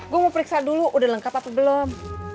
gue mau periksa dulu udah lengkap apa belum